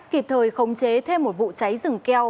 kịp thời khống chế thêm một vụ cháy rừng keo